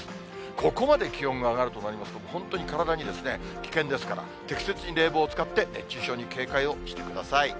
ここまで気温が上がるとなりますと、本当に体に危険ですから、適切に冷房を使って、熱中症に警戒をしてください。